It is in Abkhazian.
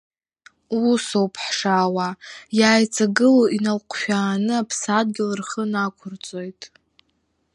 Усоуп ҳшаауа, иааиҵагыло иналҟәшәааны Аԥсадгьыл рхы нақәырҵоит.